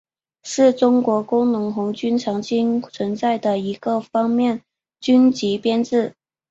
是中国工农红军曾经存在的一个方面军级编制。